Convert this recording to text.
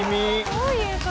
どういう事？